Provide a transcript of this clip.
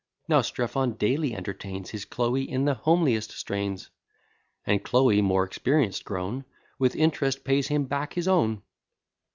Now Strephon daily entertains His Chloe in the homeliest strains; And Chloe, more experienc'd grown, With int'rest pays him back his own.